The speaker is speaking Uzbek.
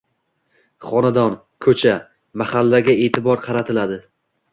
xonadon, ko‘cha, mahallaga e'tibor qaratiladi.